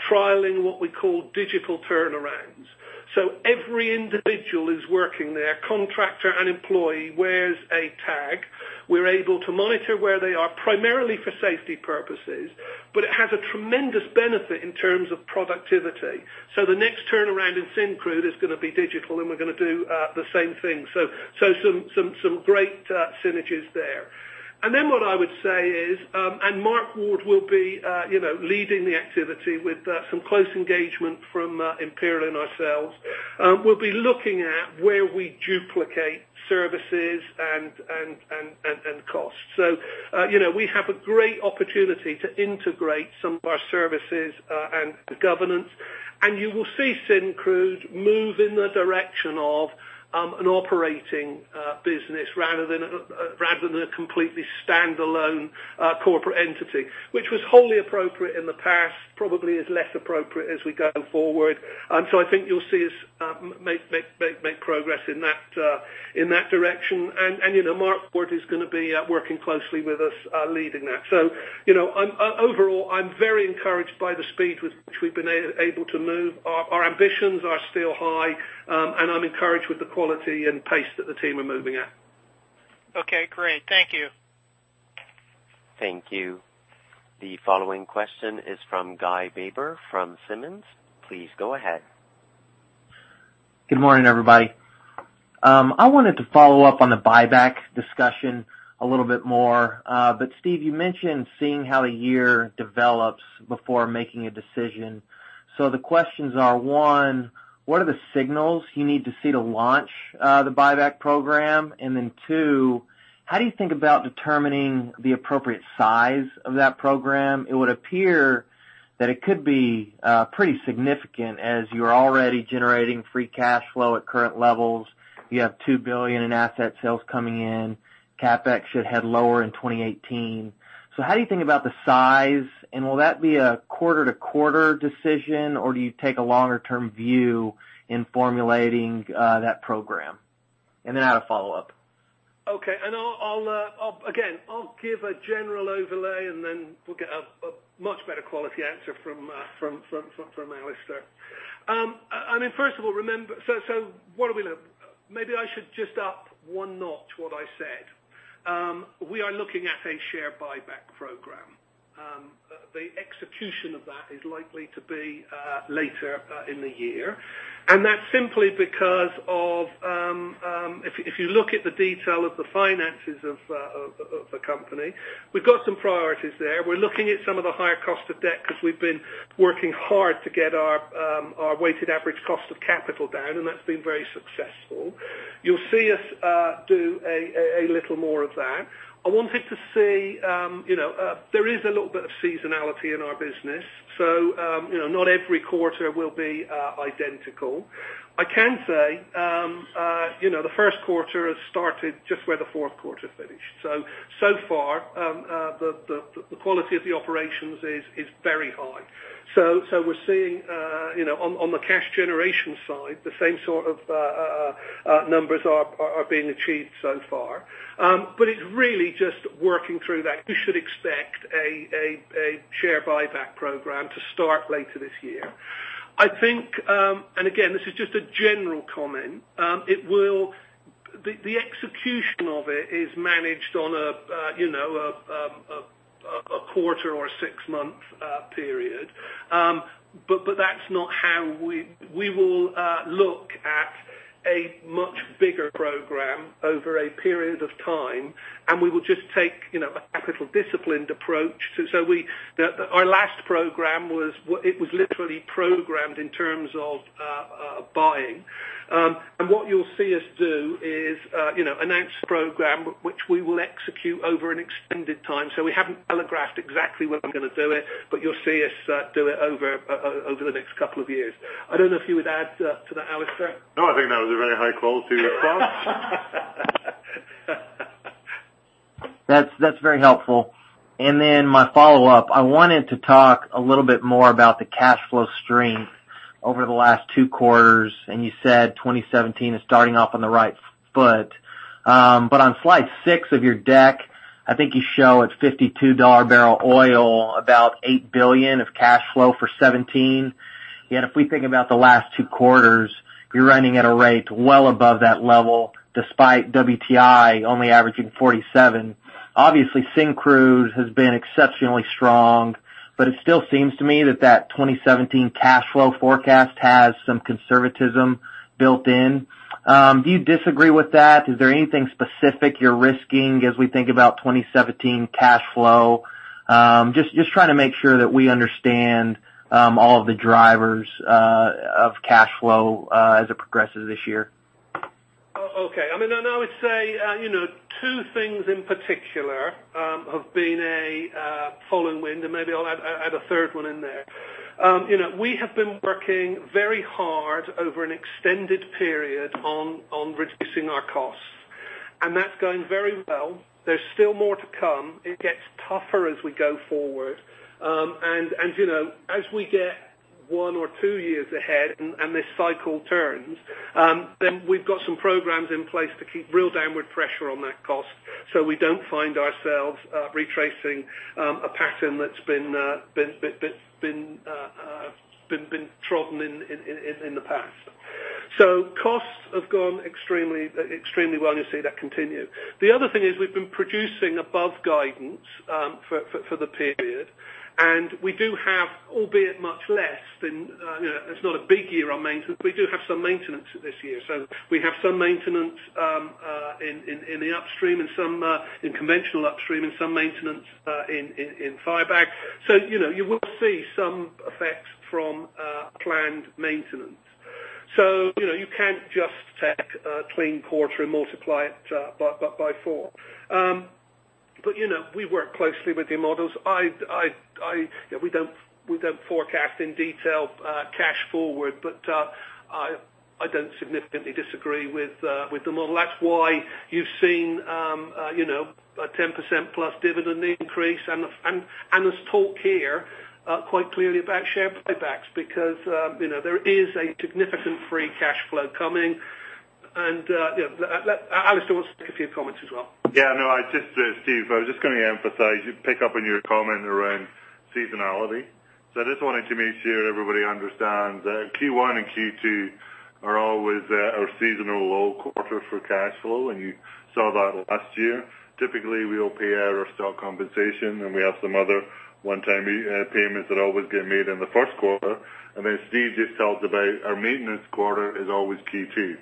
trialing what we call digital turnarounds. Every individual is working there, contractor and employee wears a tag. We're able to monitor where they are primarily for safety purposes, but it has a tremendous benefit in terms of productivity. The next turnaround in Syncrude is going to be digital, and we're going to do the same thing. Some great synergies there. What I would say is, Mark Ward will be leading the activity with some close engagement from Imperial and ourselves. We'll be looking at where we duplicate services and costs. We have a great opportunity to integrate some of our services and governance, and you will see Syncrude move in the direction of an operating business rather than a completely standalone corporate entity, which was wholly appropriate in the past, probably is less appropriate as we go forward. I think you'll see us make progress in that direction. Mark Ward is going to be working closely with us, leading that. Overall, I'm very encouraged by the speed with which we've been able to move. Our ambitions are still high, and I'm encouraged with the quality and pace that the team are moving at. Okay, great. Thank you. Thank you. The following question is from Guy Baber, from Simmons. Please go ahead. Good morning, everybody. I wanted to follow up on the buyback discussion a little bit more. Steve, you mentioned seeing how a year develops before making a decision. The questions are, 1, what are the signals you need to see to launch the buyback program? 2, how do you think about determining the appropriate size of that program? It would appear that it could be pretty significant as you are already generating free cash flow at current levels. You have 2 billion in asset sales coming in. CapEx should head lower in 2018. How do you think about the size, and will that be a quarter-to-quarter decision, or do you take a longer-term view in formulating that program? I have a follow-up. Okay. Again, I'll give a general overlay, and then we'll get a much better quality answer from Alister. First of all, what are we looking at? Maybe I should just up one notch what I said. We are looking at a share buyback program. The execution of that is likely to be later in the year. That's simply because of, if you look at the detail of the finances of the company, we've got some priorities there. We're looking at some of the higher cost of debt because we've been working hard to get our Weighted Average Cost of Capital down, and that's been very successful. You'll see us do a little more of that. I wanted to say, there is a little bit of seasonality in our business, not every quarter will be identical. I can say, the first quarter has started just where the fourth quarter finished. Far, the quality of the operations is very high. We're seeing on the cash generation side, the same sort of numbers are being achieved so far. It's really just working through that. You should expect a share buyback program to start later this year. I think, again, this is just a general comment. The execution of it is managed on a quarter or a six-month period. That's not how we will look at a much bigger program over a period of time, and we will just take a capital disciplined approach. Our last program it was literally programmed in terms of buying. What you'll see us do is announce a program which we will execute over an extended time. We haven't telegraphed exactly when we're going to do it, you'll see us do it over the next couple of years. I don't know if you would add to that, Alister. No, I think that was a very high-quality response. That's very helpful. My follow-up, I wanted to talk a little bit more about the cash flow strength over the last two quarters, and you said 2017 is starting off on the right foot. On slide six of your deck, I think you show at 52 dollar barrel oil, about 8 billion of cash flow for 2017. Yet if we think about the last two quarters, you're running at a rate well above that level, despite WTI only averaging $47. Obviously, Syncrude has been exceptionally strong, but it still seems to me that that 2017 cash flow forecast has some conservatism built in. Do you disagree with that? Is there anything specific you're risking as we think about 2017 cash flow? Just trying to make sure that we understand all of the drivers of cash flow as it progresses this year. Okay. I would say two things in particular have been a tailwind, and maybe I'll add a third one in there. We have been working very hard over an extended period on reducing our costs, and that's going very well. There's still more to come. It gets tougher as we go forward. As we get one or two years ahead and this cycle turns, then we've got some programs in place to keep real downward pressure on that cost so we don't find ourselves retracing a pattern that's been trodden in the past. Costs have gone extremely well, and you'll see that continue. The other thing is we've been producing above guidance for the period, and we do have, albeit much less than. It's not a big year on maintenance. We do have some maintenance this year. We have some maintenance in the upstream and some in conventional upstream and some maintenance in Firebag. You will see some effects from planned maintenance. You can't just take clean quarter and multiply it by four. We work closely with your models. We don't forecast in detail cash forward. I don't significantly disagree with the model. That's why you've seen a 10% plus dividend increase and there's talk here quite clearly about share buybacks because there is a significant free cash flow coming. Alister wants to make a few comments as well. Steve, I was just going to emphasize, pick up on your comment around seasonality. I just wanted to make sure everybody understands that Q1 and Q2 are always our seasonal low quarter for cash flow. You saw that last year. Typically, we will pay out our stock compensation, and we have some other one-time payments that always get made in the first quarter. Steve just told about our maintenance quarter is always Q2.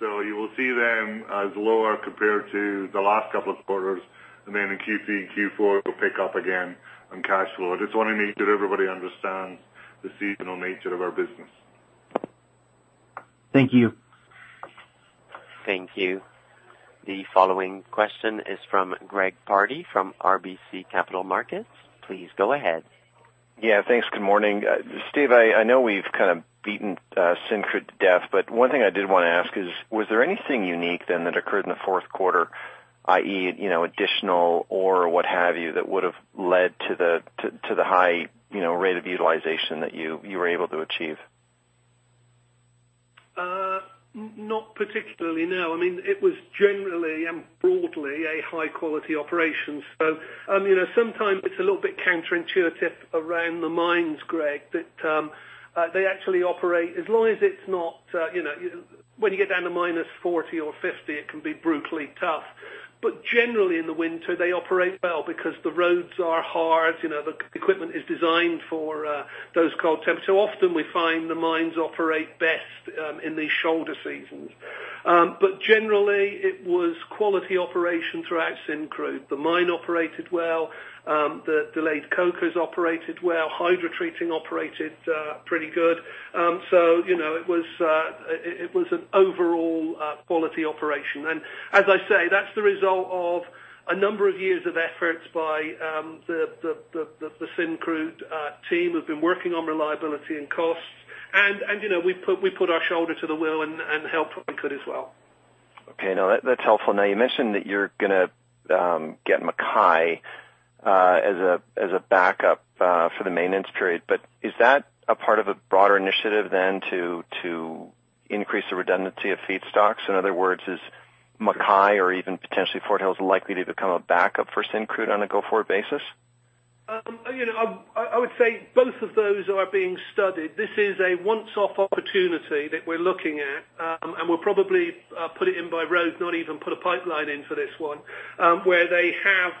You will see them as lower compared to the last couple of quarters. In Q3 and Q4, it'll pick up again on cash flow. I just want to make sure everybody understands the seasonal nature of our business. Thank you. Thank you. The following question is from Greg Pardy from RBC Capital Markets. Please go ahead. Thanks. Good morning. Steve, I know we've kind of beaten Syncrude to death, one thing I did want to ask is, was there anything unique then that occurred in the fourth quarter, i.e., additional or what have you, that would have led to the high rate of utilization that you were able to achieve? Not particularly, no. It was generally and broadly a high-quality operation. Sometimes it's a little bit counterintuitive around the mines, Greg, that they actually operate as long as it's not-- when you get down to minus 40 or 50, it can be brutally tough. Generally in the winter, they operate well because the roads are hard. The equipment is designed for those cold temps. Often we find the mines operate best in these shoulder seasons. Generally, it was quality operation throughout Syncrude. The mine operated well. The delayed cokers operated well. hydrotreating operated pretty good. It was an overall quality operation. As I say, that's the result of a number of years of efforts by the Syncrude team who've been working on reliability and costs. We put our shoulder to the wheel and helped where we could as well. Okay. No, that's helpful. You mentioned that you're going to get MacKay as a backup for the maintenance period. Is that a part of a broader initiative then to increase the redundancy of feedstocks? In other words, is MacKay or even potentially Fort Hills likely to become a backup for Syncrude on a go-forward basis? I would say both of those are being studied. This is a once-off opportunity that we're looking at. We'll probably put it in by road, not even put a pipeline in for this one, where they have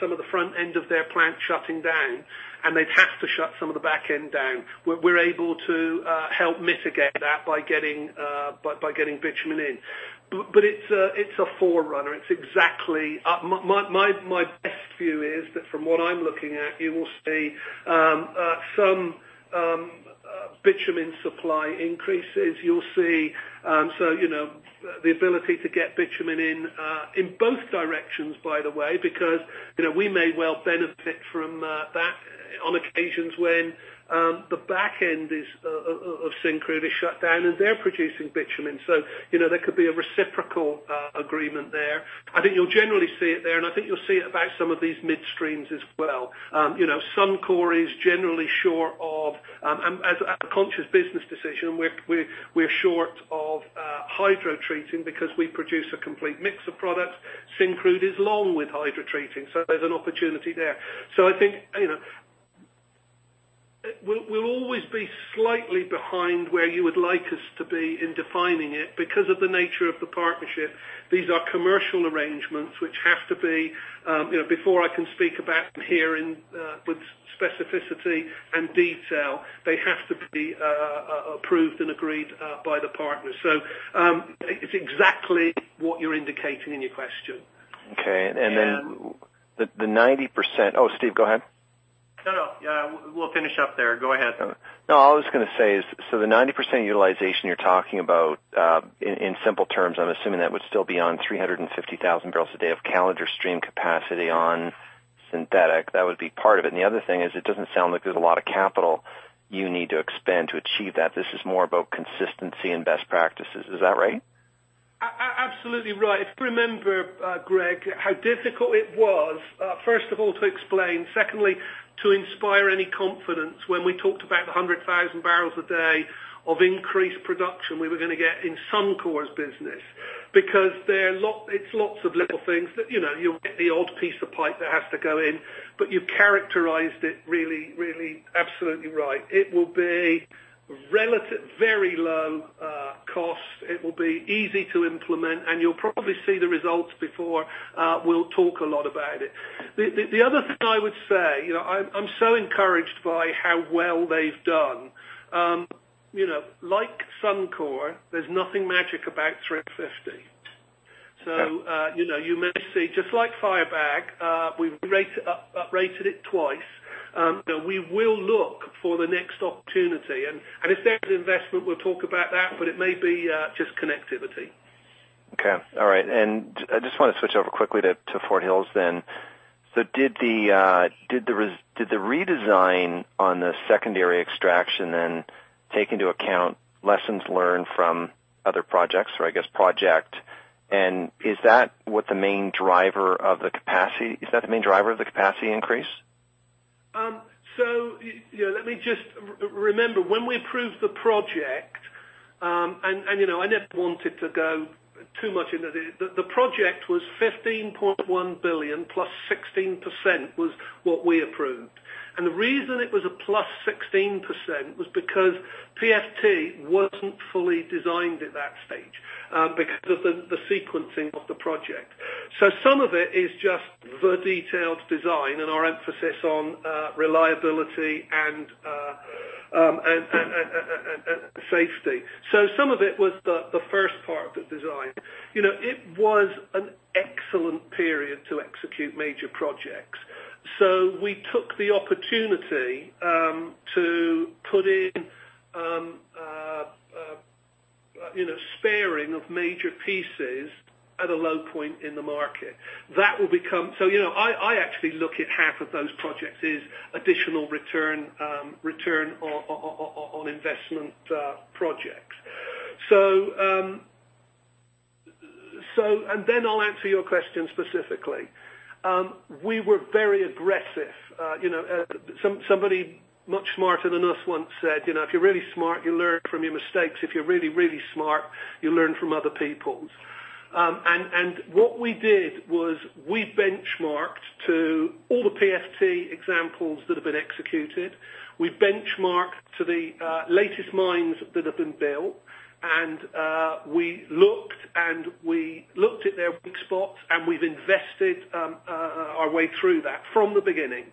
some of the front end of their plant shutting down, and they'd have to shut some of the back end down. We're able to help mitigate that by getting bitumen in. It's a forerunner. My best view is that from what I'm looking at, you will see some bitumen supply increases. You'll see the ability to get bitumen in both directions, by the way, because we may well benefit from that on occasions when the back end of Syncrude is shut down and they're producing bitumen. There could be a reciprocal agreement there. I think you'll generally see it there, I think you'll see it about some of these midstreams as well. Suncor is generally sure of-- as a conscious business decision, we're short of hydrotreating because we produce a complete mix of products. Syncrude is long with hydrotreating, there's an opportunity there. I think we'll always be slightly behind where you would like us to be in defining it because of the nature of the partnership. These are commercial arrangements which have to be-- before I can speak about them here with specificity and detail, they have to be approved and agreed by the partners. It's exactly what you're indicating in your question. Okay. The 90%-- oh, Steve, go ahead. No, we'll finish up there. Go ahead. No, all I was going to say is, the 90% utilization you're talking about in simple terms, I'm assuming that would still be on 350,000 barrels a day of calendar stream capacity on synthetic. That would be part of it. The other thing is it doesn't sound like there's a lot of capital you need to expend to achieve that. This is more about consistency and best practices. Is that right? Absolutely right. If you remember, Greg, how difficult it was, first of all, to explain, secondly, to inspire any confidence when we talked about the 100,000 barrels a day of increased production we were going to get in Suncor's business. It's lots of little things. You'll get the odd piece of pipe that has to go in, but you characterized it really, absolutely right. It will be very low cost. It will be easy to implement, and you'll probably see the results before we'll talk a lot about it. The other thing I would say, I'm so encouraged by how well they've done. Like Suncor, there's nothing magic about 350. You may see, just like Firebag, we've up-rated it twice. We will look for the next opportunity. If there's investment, we'll talk about that, but it may be just connectivity. Okay. All right. I just want to switch over quickly to Fort Hills, then. Did the redesign on the secondary extraction then take into account lessons learned from other projects, or I guess project, and is that the main driver of the capacity increase? Let me just remember, when we approved the project, I never wanted to go too much into it. The project was 15.1 billion +16% was what we approved. The reason it was a +16% was because PFT wasn't fully designed at that stage because of the sequencing of the project. Some of it is just the detailed design and our emphasis on reliability and safety. Some of it was the first part of the design. It was an excellent period to execute major projects. We took the opportunity to put in sparing of major pieces at a low point in the market. I actually look at half of those projects as additional return on investment projects. Then I'll answer your question specifically. We were very aggressive. Somebody much smarter than us once said, "If you're really smart, you learn from your mistakes. If you're really, really smart, you learn from other people's." What we did was we benchmarked to all the PFT examples that have been executed. We benchmarked to the latest mines that have been built. We looked at their weak spots, and we've invested our way through that from the beginning.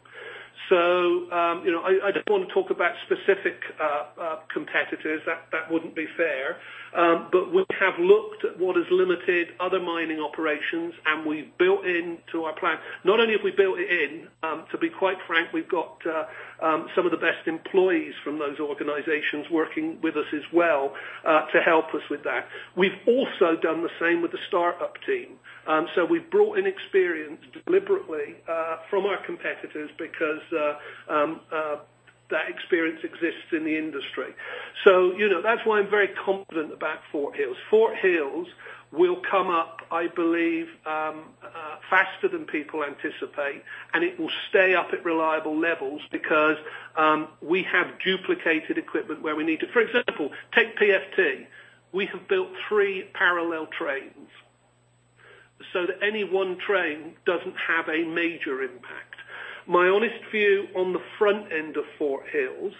I don't want to talk about specific competitors. That wouldn't be fair. We have looked at what has limited other mining operations, and we've built into our plan. Not only have we built it in, to be quite frank, we've got some of the best employees from those organizations working with us as well to help us with that. We've also done the same with the startup team. We've brought in experience deliberately from our competitors because that experience exists in the industry. That's why I'm very confident about Fort Hills. Fort Hills will come up, I believe, faster than people anticipate, and it will stay up at reliable levels because we have duplicated equipment where we need to. For example, take PFT. We have built three parallel trains so that any one train doesn't have a major impact. My honest view on the front end of Fort Hills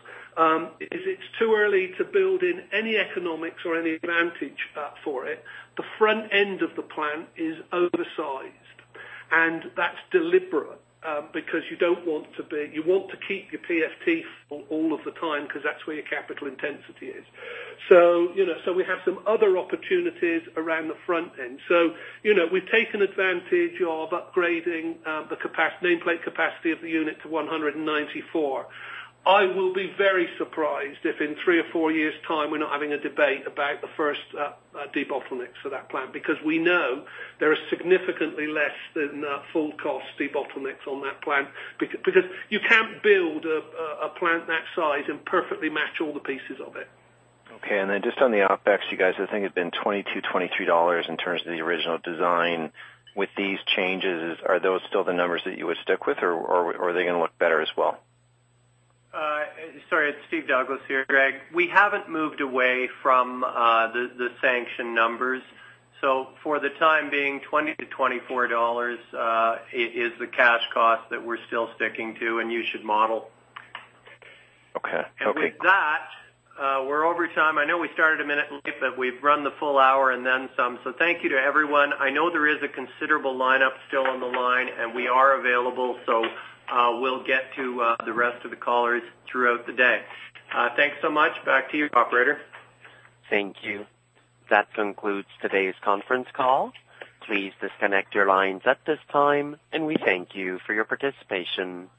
is it's too early to build in any economics or any advantage for it. The front end of the plant is oversized, and that's deliberate because you want to keep your PFT full all of the time because that's where your capital intensity is. We have some other opportunities around the front end. We've taken advantage of upgrading the nameplate capacity of the unit to 194. I will be very surprised if in three or four years' time, we're not having a debate about the first debottlenecks for that plant, because we know there are significantly less than full cost debottlenecks on that plant. You can't build a plant that size and perfectly match all the pieces of it. Okay. Just on the OpEx, you guys, I think, have been 22, 23 dollars in terms of the original design. With these changes, are those still the numbers that you would stick with or are they going to look better as well? Sorry, it's Steve Douglas here, Greg. We haven't moved away from the sanctioned numbers. For the time being, 20-24 dollars is the cash cost that we're still sticking to and you should model. Okay. With that, we're over time. I know we started a minute late, but we've run the full hour and then some. Thank you to everyone. I know there is a considerable lineup still on the line, and we are available. We'll get to the rest of the callers throughout the day. Thanks so much. Back to you, operator. Thank you. That concludes today's conference call. Please disconnect your lines at this time, and we thank you for your participation.